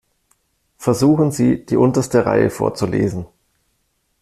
Versuchen Sie, die unterste Reihe vorzulesen.